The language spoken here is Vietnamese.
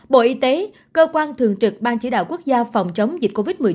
bộ y tế cơ quan thường trực ban chỉ đạo quốc gia phòng chống dịch covid một mươi chín